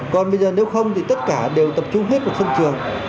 còn bây giờ nếu không thì tất cả đều tập trung hết một sân trường